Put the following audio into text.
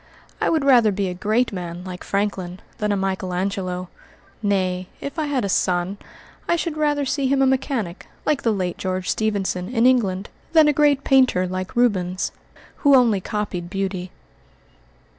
I would rather be a great man like Franklin than a Michael Angelo nay, if I had a son, I should rather see him a mechanic, like the late George Stephenson, in England, than a great painter like Rubens, who only copied beauty."